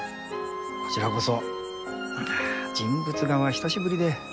こちらこそあ人物画は久しぶりで。